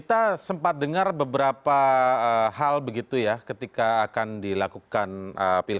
tentang kita sempat dengar beberapa hal begitu ya ketika akan dilakukan pilkada putaran kedua besok